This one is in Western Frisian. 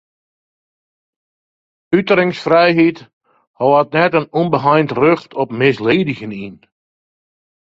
Uteringsfrijheid hâldt net in ûnbeheind rjocht op misledigjen yn.